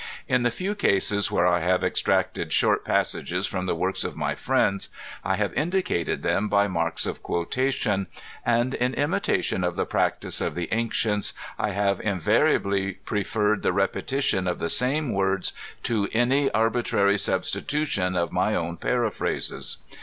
In the few cases where I have extracted short passages from the works of my friends, I have indicated them by marks of quotation ; and, in imitation of the practice of the ancients, I have inva> nably preferred the repetition of the same words to any arbi trary substitution of my own paraphrases.